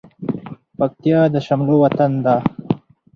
پکتيا د شملو وطن ده